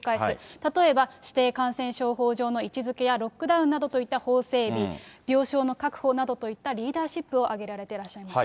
例えば指定感染症法上の位置づけやロックダウンなどといった法整備、病床の確保などといったリーダーシップを挙げられています。